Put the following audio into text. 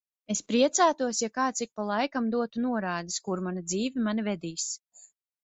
Es priecātos, ja kāds ik pa laikam dotu norādes, kur mana dzīve mani vedīs.